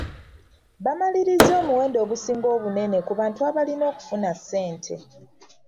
Bamalirizza omuwendo ogusinga obunene ku bantu abalina okufuna ssente.